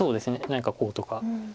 何かこうとか。